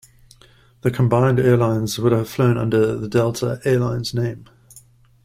The combined airlines would have flown under the Delta Air Lines name.